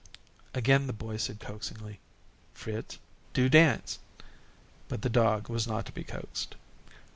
Again the boy said coaxingly, "Fritz, do dance," but the dog was not to be coaxed.